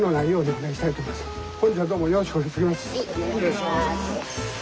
はいお願いします。